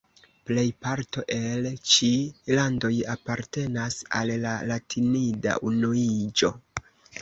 Plejparto el ĉi landoj apartenas al la Latinida Unuiĝo.